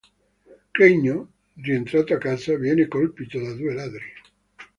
Creighton, rientrando a casa, viene colpito da due ladri.